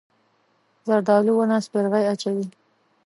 زردالو ونه سپرغۍ اچوي.